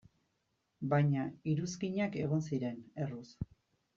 Baina iruzkinak egon ziren, erruz.